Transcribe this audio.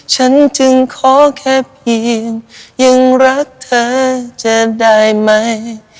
ฉันจึงขอแค่เพียงยังรักเธอจะได้ไหม